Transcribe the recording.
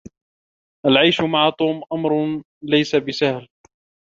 العيش مع توم أمر ليس بسهل.